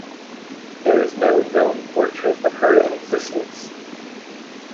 There is no known portrait of her in existence.